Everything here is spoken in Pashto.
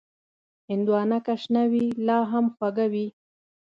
هندوانه که شنه وي، لا هم خوږه وي.